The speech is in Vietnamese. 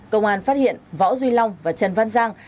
công an phát hiện võ duy long và trần văn giang